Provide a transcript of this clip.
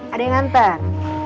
ada yang ngantar